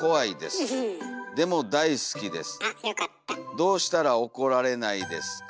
「どうしたらおこられないですか？」。